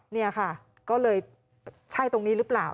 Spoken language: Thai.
นี่ค่ะก็เลยใช่ตรงนี้หรือเปล่า